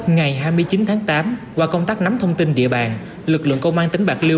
ngày hai mươi chín tháng tám qua công tác nắm thông tin địa bàn lực lượng công an tỉnh bạc liêu